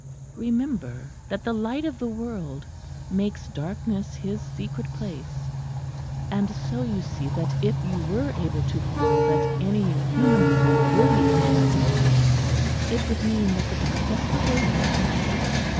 Remember that the Light of the World makes darkness His secret place; and so you see that if you were able to feel that any human soul really understood, it would mean that the darkness was over.